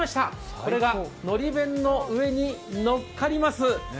これがのり弁の上にのっかります。